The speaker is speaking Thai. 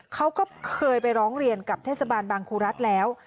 เขาก็เคยไปร้องเรียนกับเทศบาลบางครูรัฐแล้ว